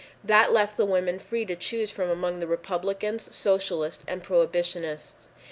That left the women free to choose from among the Republicans, Socialists and Prohibitionists.